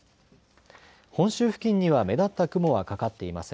本州付近には目立った雲はかかっていません。